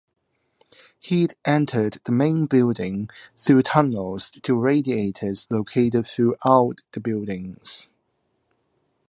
Heat entered the main building through tunnels to radiators located throughout the building.